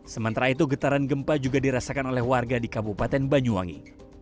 sementara itu getaran gempa juga dirasakan oleh warga di kabupaten banyuwangi